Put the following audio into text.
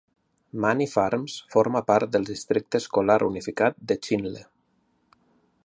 Many Farms forma part del districte escolar unificat de Chinle.